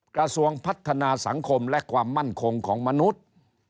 กระทรวงพัฒนาสังคมและความมั่นคงของมนุษย์